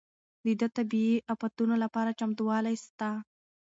ده د طبيعي افتونو لپاره چمتووالی ساته.